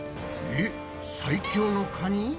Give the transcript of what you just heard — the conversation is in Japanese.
えっ最強のカニ？